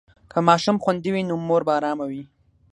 که ماشوم خوندي وي، نو مور به ارامه وي.